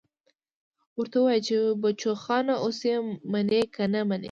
ورته ووايه چې بچوخانه اوس يې منې که نه منې.